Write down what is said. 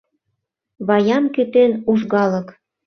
Ваям кӱтен — ужгалык